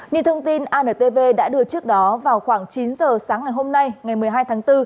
như thông tin antv đã đưa trước đó vào khoảng chín giờ sáng ngày hôm nay ngày một mươi hai tháng bốn